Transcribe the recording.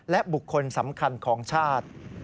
และบุคคลสำคัญของชาติ